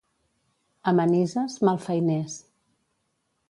A Manises, malfeiners.